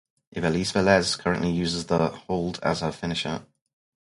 Ivelisse Velez currently uses the hold as her finisher.